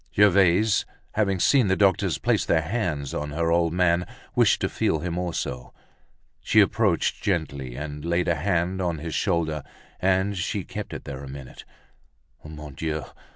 Gervaise having seen the doctors place their hands on her old man, wished to feel him also. She approached gently and laid a hand on his shoulder, and she kept it there a minute. _Mon Dieu!